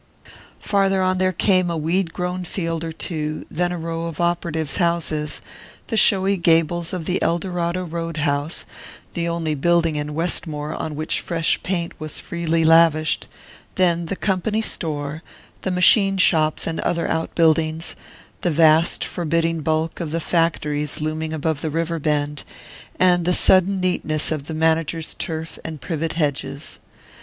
Farther on there came a weed grown field or two, then a row of operatives' houses, the showy gables of the "Eldorado" road house the only building in Westmore on which fresh paint was freely lavished then the company "store," the machine shops and other out buildings, the vast forbidding bulk of the factories looming above the river bend, and the sudden neatness of the manager's turf and privet hedges.